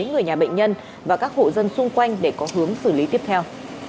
người nhà bệnh nhân và các hộ dân xung quanh để có hướng xử lý tiếp theo